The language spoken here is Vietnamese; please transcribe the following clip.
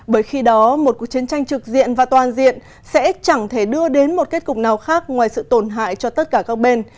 bởi khi đó một cuộc chiến tranh trực diện và toàn diện sẽ chẳng thể đưa đến một kết cục nào khác ngoài sự tổn hại cho tất cả các bên